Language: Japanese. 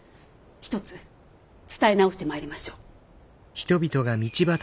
ひとつ伝え直してまいりましょう。